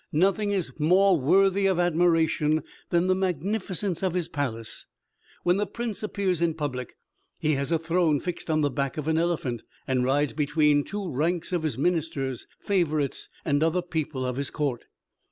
Nothing is more worthy of admiration than the magnificence of his palace. When the prince appears in public he has a throne fixed on the back of an elephant, and rides between two ranks of his ministers, favorites, and other people of his court.